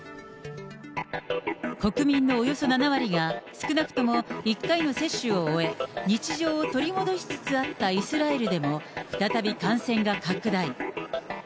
国民のおよそ７割が少なくとも１回の接種を終え、日常を取り戻しつつあったイスラエルでも、再び、感染が拡大。